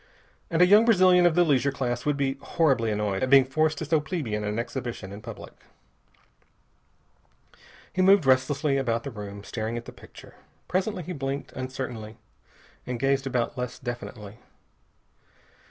And a young Brazilian of the leisure class would be horribly annoyed at being forced to so plebeian an exhibition in public. He moved restlessly about the room, staring at the picture. Presently he blinked uncertainly and gazed about less definitely.